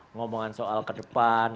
ngomongan soal kedepan